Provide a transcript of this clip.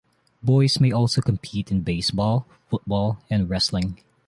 Boys may also compete in baseball, football, and wrestling.